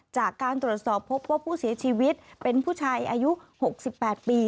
จากการตรวจสอบพบว่าผู้เสียชีวิตเป็นผู้ชายอายุ๖๘ปี